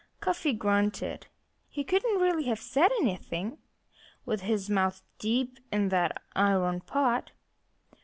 Cuffy grunted. He couldn't really have said anything, with his mouth deep in the iron pot.